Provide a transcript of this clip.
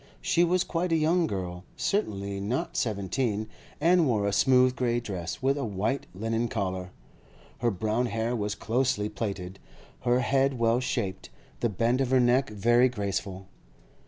She was quite a young girl, certainly not seventeen, and wore a smooth grey dress, with a white linen collar; her brown hair was closely plaited, her head well shaped, the bend of her neck very graceful.